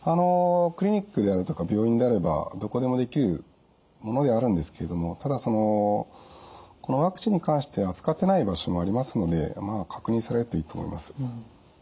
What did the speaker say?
クリニックであるとか病院であればどこでもできるものではあるんですけどもただそのこのワクチンに関して扱ってない場所もありますので確認されるといいと思います。